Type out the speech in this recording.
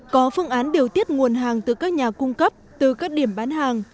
có phương án điều tiết nguồn hàng từ các nhà cung cấp từ các điểm bán hàng